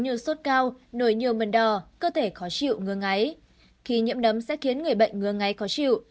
như sốt cao nổi nhiều mầm đò cơ thể khó chịu ngứa ngáy khi nhiễm nấm sẽ khiến người bệnh ngứa ngáy khó chịu